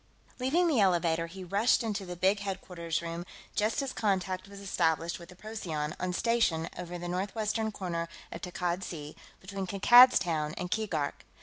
Leaving the elevator, he rushed into the big headquarters room just as contact was established with the Procyon, on station over the northwestern corner of Takkad Sea, between Kankad's Town and Keegark.